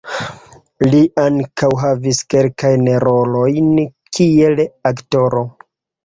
Li ankaŭ havis kelkajn rolojn kiel aktoro.